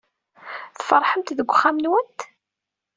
Tferḥemt deg uxxam-nwent?